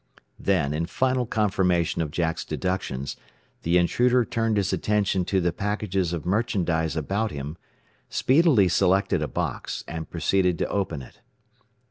Then, in final confirmation of Jack's deductions, the intruder turned his attention to the packages of merchandise about him, speedily selected a box, and proceeded to open it.